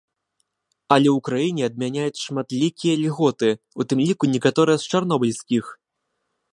Але ў краіне адмяняюць шматлікія льготы, у тым ліку некаторыя з чарнобыльскіх.